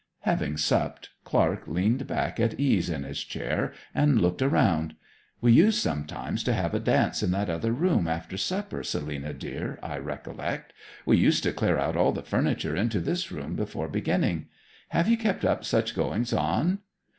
Having supped, Clark leaned back at ease in his chair and looked around. 'We used sometimes to have a dance in that other room after supper, Selina dear, I recollect. We used to clear out all the furniture into this room before beginning. Have you kept up such goings on?'